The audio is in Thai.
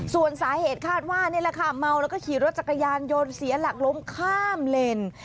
ส่วนสาเหตุคาดว่านี่แหละค่ะเมาแล้วก็ขี่รถจักรยานยนต์เสียหลักล้มข้ามเลน